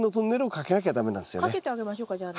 かけてあげましょうかじゃあね。